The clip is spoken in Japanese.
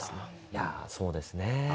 いやそうですね。